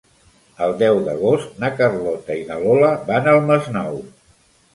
El deu d'agost na Carlota i na Lola van al Masnou.